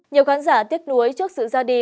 nhiều khán giả tiếc nuối trước sự ra đi